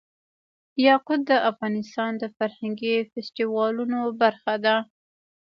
یاقوت د افغانستان د فرهنګي فستیوالونو برخه ده.